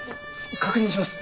確認します。